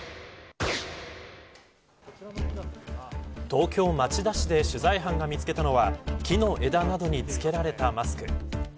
東京、町田市で取材班が見つけたのは木の枝などにつけられたマスク。